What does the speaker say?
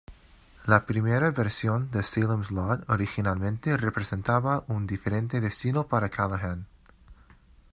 La primera versión de "Salem's Lot" originalmente representaba un diferente destino para Callahan.